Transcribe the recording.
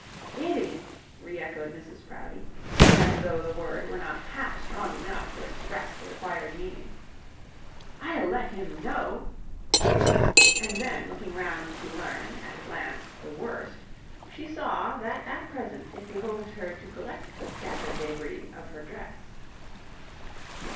'Idiot,' re echoed Mrs Proudie, as though the word were not half strong enough to express the required meaning; 'I'll let him know ;' and then looking round to learn, at a glance, the worst, she saw that at present it behoved her to collect the scattered debris of her dress.